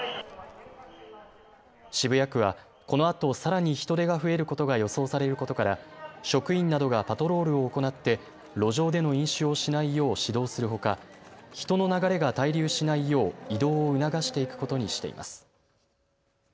渋谷区はこのあとさらに人出が増えることが予想されることから職員などがパトロールを行って路上での飲酒をしないよう指導するほか、人の流れが滞留しないよう移動を促していくことにしています。